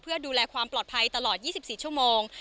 เพื่อดูแลความปลอดภัยตลอด๒๔ชั่วโมง